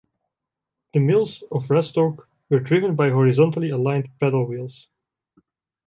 The mills of Rastoke were driven by horizontally aligned paddle wheels.